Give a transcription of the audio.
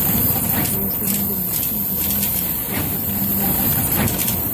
لوستې میندې د ماشوم هوساینه او روغتیا تضمینوي.